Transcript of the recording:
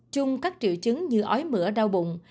chung các triệu chứng như ói mỡ đau bụng